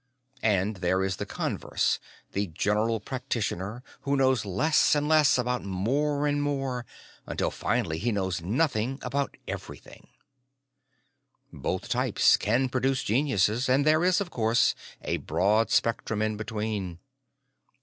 And there is the converse, the general practitioner, who knows "less and less about more and more until he finally knows nothing about everything." Both types can produce geniuses, and there is, of course, a broad spectrum in between.